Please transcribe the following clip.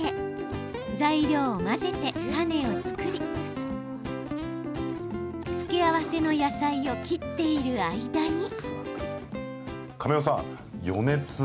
材料を混ぜてタネを作り付け合わせの野菜を切っている間に。